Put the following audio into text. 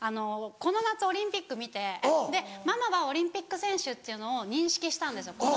この夏オリンピック見てママはオリンピック選手っていうのを認識したんですよ